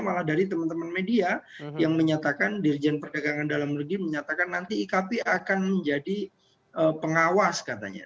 malah dari teman teman media yang menyatakan dirjen perdagangan dalam negeri menyatakan nanti ikp akan menjadi pengawas katanya